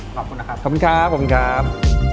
ขอบคุณนะครับ